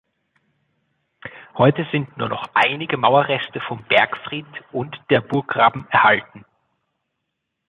Heute sind nur noch einige Mauerreste vom Bergfried und der Burggraben erhalten.